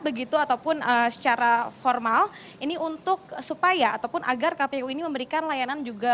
begitu ataupun secara formal ini untuk supaya ataupun agar kpu ini memberikan layanan juga